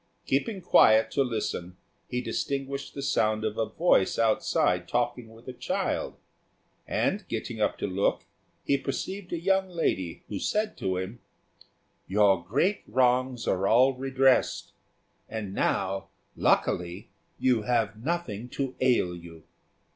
Keeping quiet to listen, he distinguished the sound of a voice outside talking with a child; and, getting up to look, he perceived a young lady, who said to him, "Your great wrongs are all redressed, and now, luckily, you have nothing to ail you."